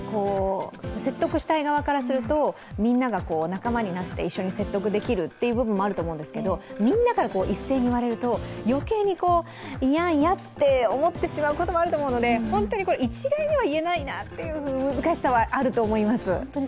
説得したい側からすると、みんなが仲間になって一緒に説得できるっていう部分もあると思うんですけどみんなから一斉に言われると、余計に嫌、嫌って思ってしまうこともあると思うので、一概には言えないなという難しさはあると思います。